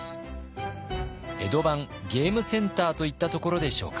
江戸版ゲームセンターといったところでしょうか。